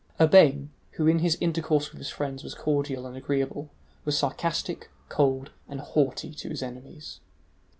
Urbain, who in his intercourse with his friends was cordial and agreeable, was sarcastic, cold, and haughty to his enemies.